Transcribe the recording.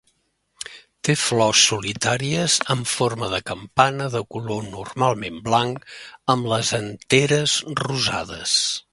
Té flors solitàries amb forma de campana de color normalment blanc amb les anteres rosades.